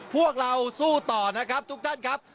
พวกเราสู้ต่อนะครับทุกท่านครับ